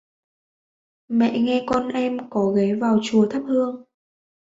Mẹ con em có ghé vào trong chùa thắp hương